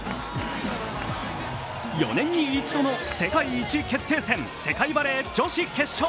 ４年に一度の世界一決定戦、世界バレー女子決勝。